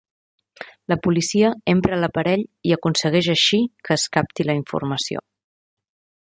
La policia empra l'aparell i aconsegueix així que es capti la informació.